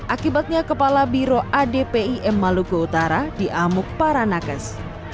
akibatnya kepala biro adpim maluku utara diamuk para nakes